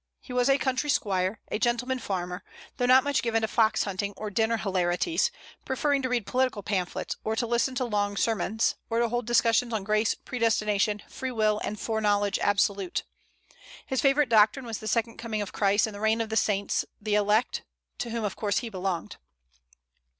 He was a country squire, a gentleman farmer, though not much given to fox hunting or dinner hilarities, preferring to read political pamphlets, or to listen to long sermons, or to hold discussions on grace, predestination, free will, and foreknowledge absolute. His favorite doctrine was the second coming of Christ and the reign of the saints, the elect, to whom of course he belonged.